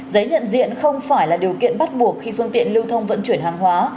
giấy nhận diện không phải là điều kiện bắt buộc khi phương tiện lưu thông vận chuyển hàng hóa